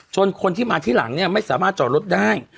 คนที่มาที่หลังเนี่ยไม่สามารถจอดรถได้